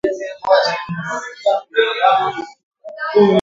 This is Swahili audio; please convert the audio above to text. Mahfoudhi alipewa cheo cha Mkurugenzi wa Operesheni Bara